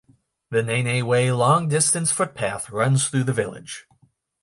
The Nene Way long distance footpath runs through the village.